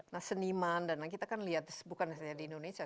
nah seniman dan kita kan lihat bukan saja di indonesia